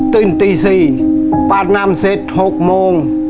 ตื่นตี๔ปากน้ำเสร็จ๖โมง